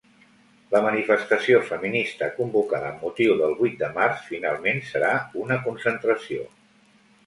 La manifestació feminista convocada amb motiu del vuit de març finalment serà una concentració.